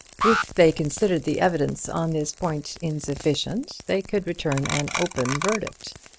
If they considered the evidence on this point insufficient, they could return an open verdict.